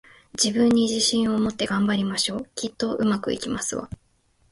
自分に自信を持って、頑張りましょう！きっと、上手くいきますわ